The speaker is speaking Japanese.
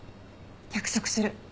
約束する。